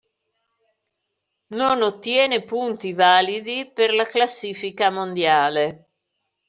Non ottiene punti validi per la classifica mondiale.